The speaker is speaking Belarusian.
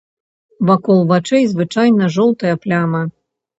Вакол вачэй звычайна жоўтая пляма.